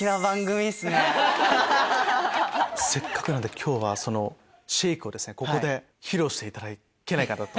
せっかくなんで今日は『ＳＨＡＫＥ』をここで披露していただけないかなと。